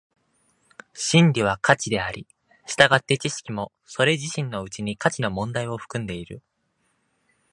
真理は価値であり、従って知識もそれ自身のうちに価値の問題を含んでいる。